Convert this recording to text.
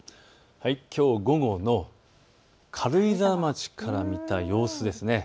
きょう午後の軽井沢町から見た様子です。